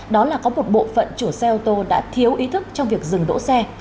đó là có một bộ phận chủ xe ô tô đã thiếu ý thức trong việc dừng đỗ xe